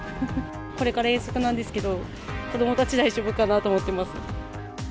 これから遠足なんですけど、子どもたち大丈夫かなと思ってます。